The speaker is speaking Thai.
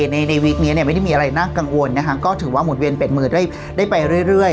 ในในวีคเนี้ยเนี่ยไม่ได้มีอะไรน่ากังวลนะคะก็ถือว่าหมุนเวียนเป็นมือได้ได้ไปเรื่อยเรื่อย